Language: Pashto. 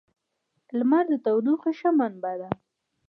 • لمر د تودوخې ښه منبع ده.